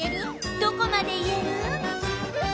どこまで言える？